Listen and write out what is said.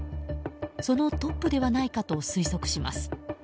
そのトップではないかと推測します。